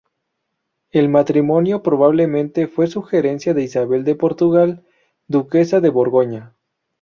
El matrimonio probablemente fue sugerencia de Isabel de Portugal, duquesa de Borgoña.